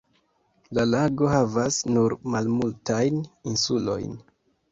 La lago havas nur malmultajn insulojn.